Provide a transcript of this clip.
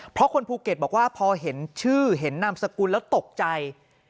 เพราะคนภูเก็ตบอกว่าพอเห็นชื่อเห็นนามสกุลแล้วตกใจ